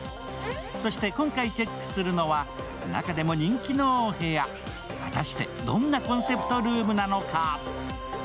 そして今回チェックするのは中でも人気のお部屋、果たしてどんなコンセプトルームなのか。